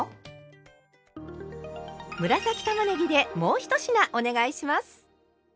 紫たまねぎでもう１品お願いします！